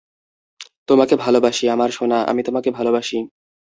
তোমাকে ভালবাসি, আমার সোনা, আমি তোমাকে ভালবাসি।